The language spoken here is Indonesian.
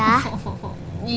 sakit rakinya nanti aku obatin ya